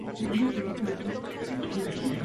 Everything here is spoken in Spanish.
Contaba con una fuente en la trompa.